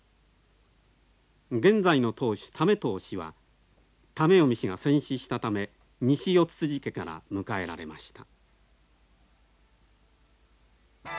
現在の当主為任氏は為臣氏が戦死したため西四家から迎えられました。